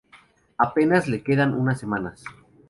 A penas le quedan unas semanas.